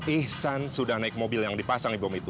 ihsan sudah naik mobil yang dipasangin bom itu